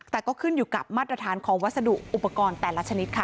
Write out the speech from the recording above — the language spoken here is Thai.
แต่ก็ขึ้นอยู่กับมาตรฐานของวัสดุอุปกรณ์แต่ละชนิดค่ะ